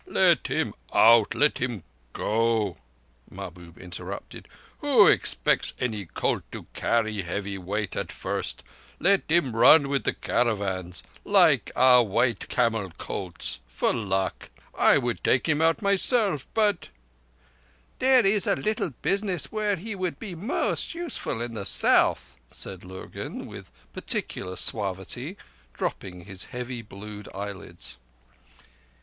"Let him out let him go," Mahbub interrupted. "Who expects any colt to carry heavy weight at first? Let him run with the caravans—like our white camel colts—for luck. I would take him myself, but—" "There is a little business where he would be most useful—in the South," said Lurgan, with peculiar suavity, dropping his heavy blued eyelids.